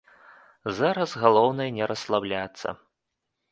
Зараз галоўнае не расслабляцца.